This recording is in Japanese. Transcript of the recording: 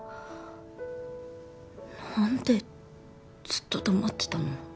なんでずっと黙ってたの？